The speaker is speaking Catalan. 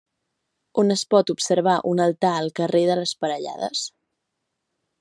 On es pot observar un altar al carrer de les Parellades.